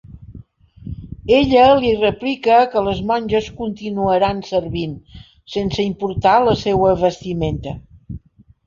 Ella li replica que les monges continuaran servint, sense importar la seua vestimenta.